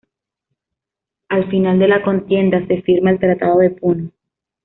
Al final de la contienda se firma el Tratado de Puno.